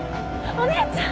お姉ちゃん！